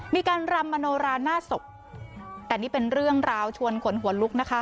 มีการรำมโนราหน้าศพแต่นี่เป็นเรื่องราวชวนขนหัวลุกนะคะ